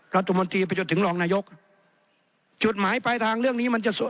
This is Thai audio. รัฐมนตรีไปจนถึงรองนายกจุดหมายปลายทางเรื่องนี้มันจะสวย